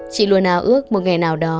chị luôn ảo ước một ngày nào đó